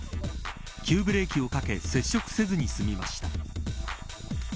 急ブレーキをかけ接触せずに済みました。